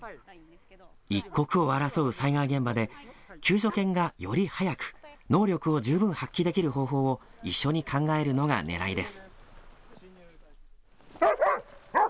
一刻を争う災害現場で救助犬がより早く能力を十分発揮できる方法を一緒に考えるのがねらいです。